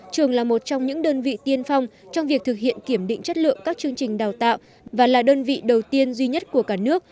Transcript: trường là một trong những đơn vị tiên phong trong việc thực hiện kiểm định chất lượng các chương trình đào tạo và là đơn vị đầu tiên duy nhất của cả nước